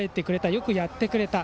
よくやってくれた。